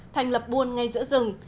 thành lập buôn ngay giữa rừng